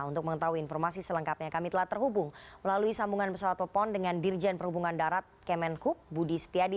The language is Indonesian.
untuk mengetahui informasi selengkapnya kami telah terhubung melalui sambungan pesawat telepon dengan dirjen perhubungan darat kemenkub budi setiadi